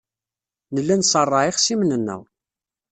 Nella nṣerreɛ ixṣimen-nneɣ.